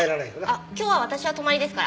あっ今日は私は泊まりですから。